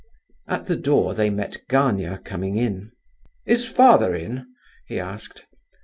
At the door they met Gania coming in. "Is father in?" he asked.